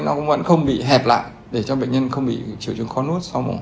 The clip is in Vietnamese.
nó vẫn không bị hẹp lại để cho bệnh nhân không bị chiều trường khó nút sau mổ